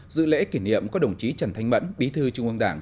dự lễ kỷ niệm có đồng chí trần thanh mẫn bí thư trung ương đảng